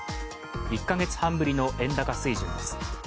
１か月半ぶりの円高水準です。